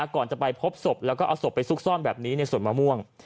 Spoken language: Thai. ก่อนจะไปพบศพแล้วก็เอาศพไปซุกซ่อนแบบนี้ในสวนมะม่วง